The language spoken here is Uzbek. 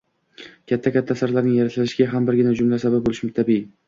Katta-katta asarlarning yaratilishiga ham birgina jumla sabab bo‘lishi tabiiy.